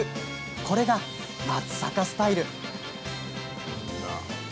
これが松阪スタイル。